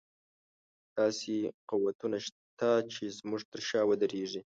داسې قوتونه شته چې زموږ تر شا ودرېږي.